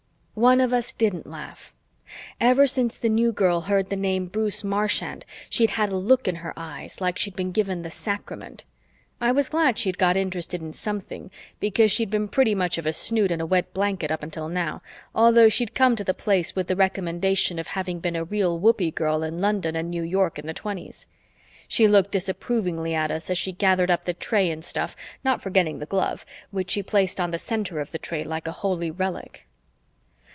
One of us didn't laugh. Ever since the New Girl heard the name Bruce Marchant, she'd had a look in her eyes like she'd been given the sacrament. I was glad she'd got interested in something, because she'd been pretty much of a snoot and a wet blanket up until now, although she'd come to the Place with the recommendation of having been a real whoopee girl in London and New York in the Twenties. She looked disapprovingly at us as she gathered up the tray and stuff, not forgetting the glove, which she placed on the center of the tray like a holy relic.